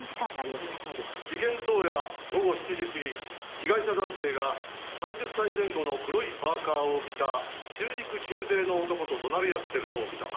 「事件当夜午後７時過ぎ被害者男性が３０歳前後の黒いパーカを着た中肉中背の男と怒鳴り合ってるのを見た」